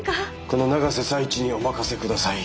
この永瀬財地にお任せください。